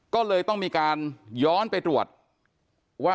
ก็เลยต้องมีการย้อนไปตรวจว่า